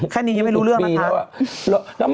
แค่นี้ยังไม่รู้เรื่องนะคะ